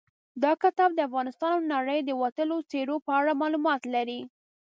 دا کتاب د افغانستان او نړۍ د وتلیو څېرو په اړه معلومات لري.